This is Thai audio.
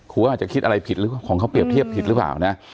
อาจจะคิดอะไรผิดหรือของเขาเปรียบเทียบผิดหรือเปล่านะ